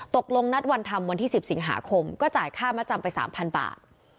ตกลงนัดวันทำวันที่๑๐สิงหาคมก็จ่ายค่ามาจำไป๓๐๐บาท